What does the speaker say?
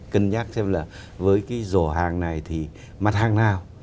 cân nhắc xem là với cái rổ hàng này thì mặt hàng nào